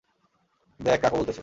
দেখ কাক ও বলতেছে।